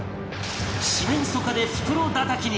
四面楚歌で袋だたきに！